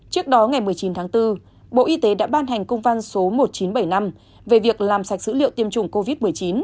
trước đó ngày một mươi chín tháng bốn bộ y tế đã ban hành công văn số một nghìn chín trăm bảy mươi năm về việc làm sạch dữ liệu tiêm chủng covid một mươi chín